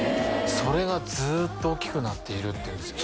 「それがずっと大きくなっている」って言うんですよ